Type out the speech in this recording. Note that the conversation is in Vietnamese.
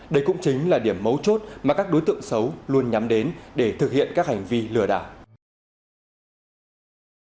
đây cũng chính là điểm mấu chốt mà các đối tượng xấu luôn nhắm đến để thực hiện các hành vi lừa đảo